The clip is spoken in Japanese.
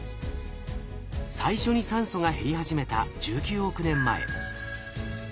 最初に酸素が減り始めた１９億年前。